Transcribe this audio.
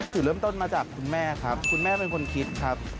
จุดเริ่มต้นมาจากคุณแม่ครับคุณแม่เป็นคนคิดครับ